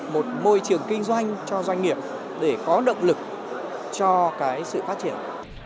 một môi trường kinh doanh cho doanh nghiệp để có động lực cho cái sự phát triển